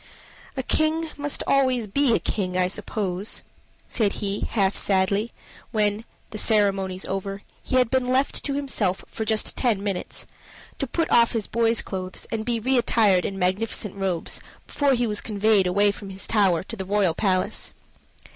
"A king must be always a king, I suppose," said he half sadly, when, the ceremonies over, he had been left to himself for just ten minutes, to put off his boy's clothes and be reattired in magnificent robes, before he was conveyed away from his tower to the royal palace.